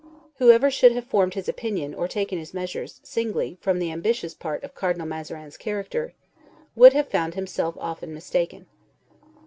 Whoever should have formed his opinion, or taken his measures, singly, from the ambitious part of Cardinal Mazarin's character, would have found himself often mistaken.